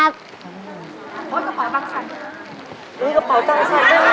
ด้วยแม่